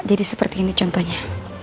jadi seperti ini contohnya